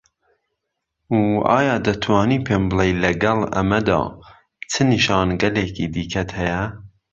و ئایا دەتوانی پێم بڵێی لەگەڵ ئەمەدا چ نیشانەگەلێکی دیکەت هەیە؟